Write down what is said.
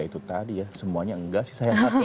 itu tadi ya semuanya enggak sih saya hati